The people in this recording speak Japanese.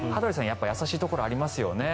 やっぱり優しいところありますよね。